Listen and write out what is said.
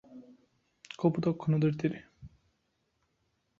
Michael Madhusudan Dutta তার শৈশব কাটিয়েছেন এই নদের তীরে।